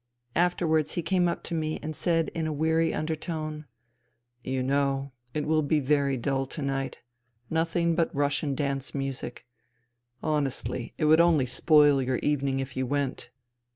Afterwards he came up to me and said in a weary undertone :" You know, it will be very dull to night — nothing but Russian dance music. Honestly, it would only spoil your evening if you went."